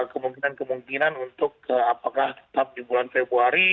kemungkinan kemungkinan untuk apakah tetap di bulan februari